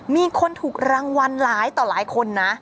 มีคนถูกรางวัลหลายต่อหลายคนนะ